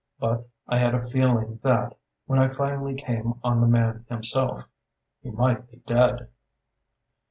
But I had a feeling that when I finally came on the man himself he might be dead....